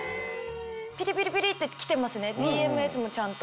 ピリピリピリってきてますねＥＭＳもちゃんと。